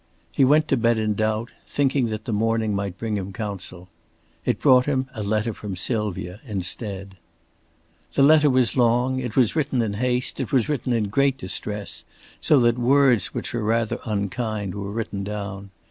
He went to bed in doubt, thinking that the morning might bring him counsel. It brought him a letter from Sylvia instead. The letter was long; it was written in haste, it was written in great distress, so that words which were rather unkind were written down.